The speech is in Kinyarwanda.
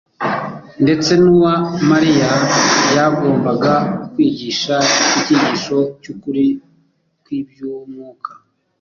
ndetse n'uwa Mariya, byagombaga kwigisha icyigisho cy'ukuri kw'iby'umwuka